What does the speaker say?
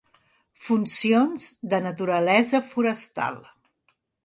Funcions de naturalesa forestal: